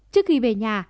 trước khi về nhà